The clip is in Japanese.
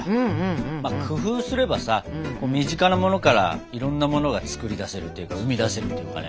まあ工夫すればさ身近なものからいろんなものが作り出せるというか生み出せるというかね。